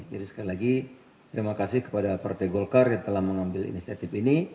jadi sekali lagi terima kasih kepada partai golkar yang telah mengambil inisiatif ini